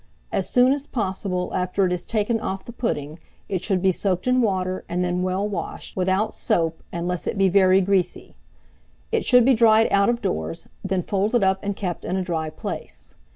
As soon as possible after it is taken off the pudding, it should be soaked in water, and then well washed, without soap, unless it be very greasy. It should be dried out of doors, then folded up and kept in a dry place.